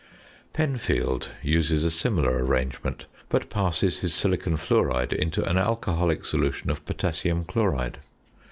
Penfield uses a similar arrangement, but passes his silicon fluoride into an alcoholic solution of potassium chloride.